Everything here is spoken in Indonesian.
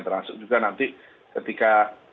terang juga nanti ketika